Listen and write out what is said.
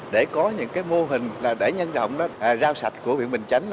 để có những mô hình để nhân rộng rao sạch của huyện bình chánh